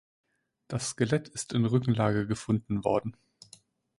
Das Skelett ist in Rückenlage gefunden worden.